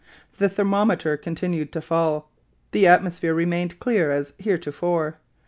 The thermometer continued to fall; the atmosphere remained clear as heretofore.